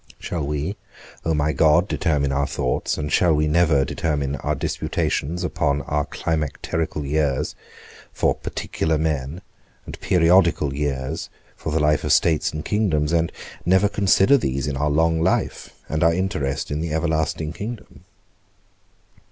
Shall we, O my God, determine our thoughts, and shall we never determine our disputations upon our climacterical years, for particular men and periodical years, for the life of states and kingdoms, and never consider these in our long life, and our interest in the everlasting kingdom?